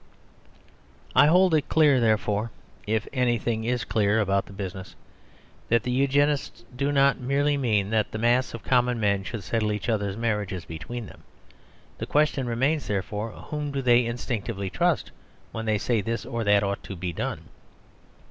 I hold it clear, therefore, if anything is clear about the business, that the Eugenists do not merely mean that the mass of common men should settle each other's marriages between them; the question remains, therefore, whom they do instinctively trust when they say that this or that ought to be done.